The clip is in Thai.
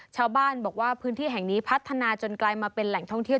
ชาวบ้านบอกว่าพื้นที่แห่งนี้พัฒนาจนกลายมาเป็นแหล่งท่องเที่ยว